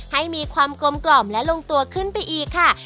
ให้มีความกลมกล่อมและลงตัวขึ้นไปอีกค่ะ